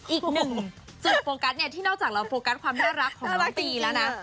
อีกหนึ่งจุดโฟกัสเนี่ยที่นอกจากเราโฟกัสความน่ารักของทุกปีแล้วนะ